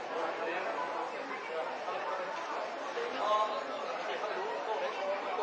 สัตว์